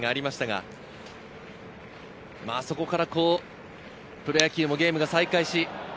そこからプロ野球もゲームが再開し。